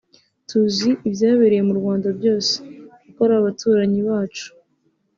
“Tuzi ibyabereye mu Rwanda byose kuko ari abaturanyi bacu